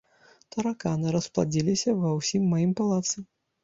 Тараканы распладзіліся ва ўсім маім палацы.